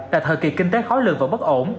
là thời kỳ kinh tế khó lường và bất ổn